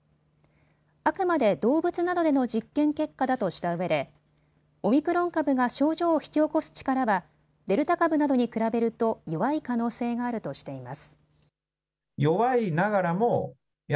あくまで動物などでの実験結果だとしたうえでオミクロン株が症状を引き起こす力はデルタ株などに比べると弱い可能性があるとしています。